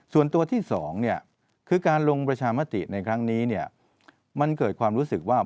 ส่วนตัวที่๒คือการลงประชามติในครั้งนี้เนี่ยมันเกิดความรู้สึกว่า